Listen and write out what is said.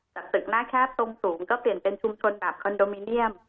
ตึกหน้าแคบตรงสูงก็เปลี่ยนเป็นชุมชนแบบคอนโดมิเนียม